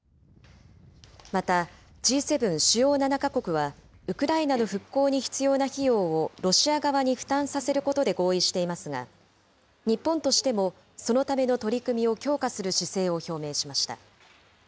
また、Ｇ７・主要７か国はウクライナの復興に必要な費用をロシア側に負担させることで合意していますが、日本としてもそのための取り組みを強化する姿勢を表明しました。